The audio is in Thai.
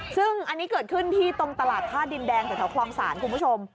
ซึ่งอันนี้เกิดขึ้นที่ตรงตลาดท่าดินแดงแถวคลองศาลคุณผู้ชม